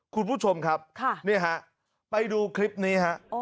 คุณผู้ชมครับนี่ฮะไปดูคลิปนี้ฮะ